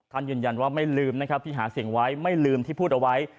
ท่านยืนยันว่าไม่ลืมครับที่หาเสี่ยงไม่ลืมที่พูดเอาทับ